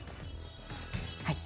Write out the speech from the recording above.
はい。